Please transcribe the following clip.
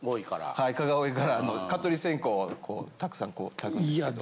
はい蚊が多いから蚊取り線香をたくさん焚くんですけど。